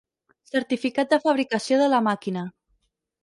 Certificat de fabricació de la màquina.